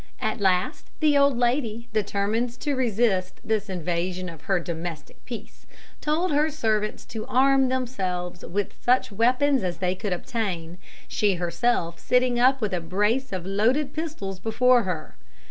At last the old lady, determined to resist this invasion of her domestic peace, told her servants to arm themselves with such weapons as they could obtain, she herself sitting up with a brace of loaded pistols before her.